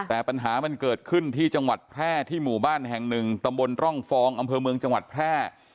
แต่ปัญหามันเกิดขึ้นที่จังหวัดแพร่ที่หมู่บ้านแห่งหนึ่งตำบลร่องฟองอำเภอเมืองจังหวัดแพร่